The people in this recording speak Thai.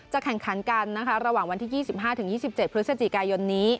จะแข่งขันกันระหว่างวันที่๒๕๒๗พฤศจิกายน